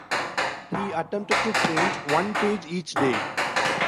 He attempted to paint one page each day.